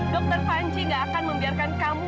dokter panji gak akan membiarkan kamu